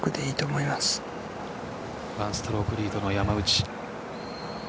１ストロークリードの山内。